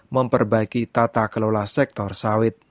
memperbaiki tata kelola sektor sawit